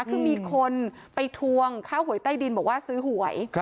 คือมีคนไปทวงค่าหวยใต้ดินบอกว่าซื้อหวย